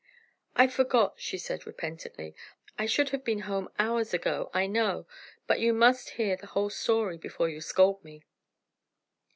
"I forgot," she said, repentantly, "I should have been home hours ago, I know, but you must hear the whole story, before you scold me."